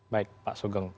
baik pak sugeng